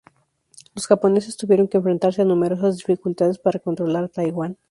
Los japoneses tuvieron que enfrentarse a numerosas dificultades para controlar Taiwán.